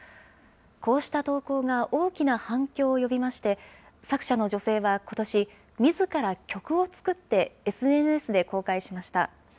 こうした投稿が大きな反響を呼びまして、作者の女性はことし、みずから曲を作ってＳＮＳで公開しました。